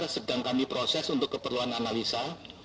segala gala kita proses untuk keperluan analisa